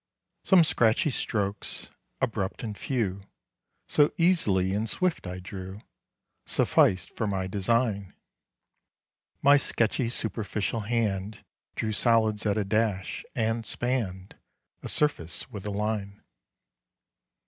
Some scratchy strokes abrupt and few, So easily and swift I drew, Sufficed for my design; My sketchy, superficial hand Drew solids at a dash and spanned A surface with a line.